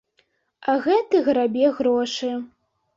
А гэты грабе грошы.